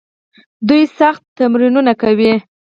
دوی سخت تمرینونه کوي.